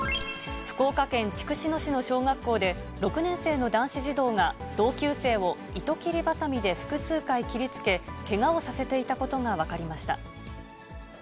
福岡県筑紫野市の小学校で、６年生の男子児童が同級生を糸切りばさみで複数回切りつけ、けがをさせていたことが分かりました。